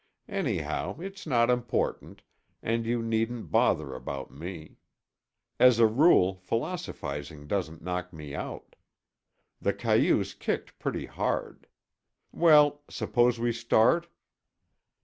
Anyhow, it's not important, and you needn't bother about me. As a rule, philosophizing doesn't knock me out. The cayuse kicked pretty hard. Well, suppose we start?"